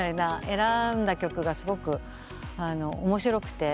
選んだ曲がすごく面白くて。